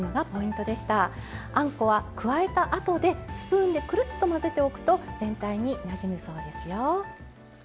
あんこは加えたあとでスプーンでくるっと混ぜておくと全体になじむそうですよ。